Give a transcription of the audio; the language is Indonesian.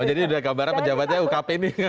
jadi udah gambarnya pejabatnya ukp nih